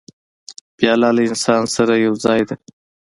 پیاله له انسان سره یو ځای ده.